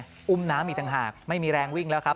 ก็อุ้มน้ำอีกต่างหากไม่มีแรงวิ่งแล้วครับ